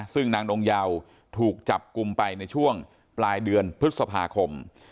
ซึ่งนางนงเยาถูกจับกลุ่มไปในช่วงปลายเดือนพฤษภาคม